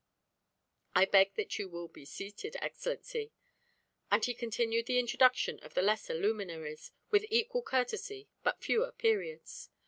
I beg that you will be seated, Excellency." And he continued the introduction to the lesser luminaries, with equal courtesy but fewer periods.